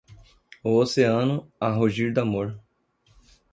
O oceano, a rugir d'amor